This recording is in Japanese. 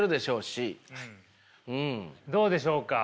どうでしょうか。